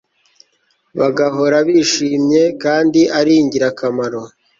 bagahora bishimye kandi ari ingirakamaro